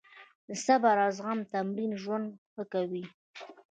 د صبر او زغم تمرین ژوند ښه کوي.